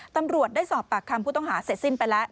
ตำรวจได้สอบปากคำผู้ต้องหาเสร็จสิ้นไปแล้ว